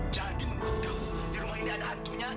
jadi menurut kamu di rumah ini ada hantunya